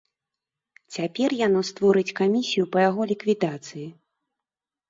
Цяпер яно створыць камісію па яго ліквідацыі.